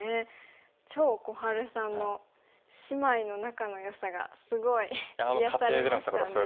張心治さんの姉妹の仲のよさがすごい癒やされましたね。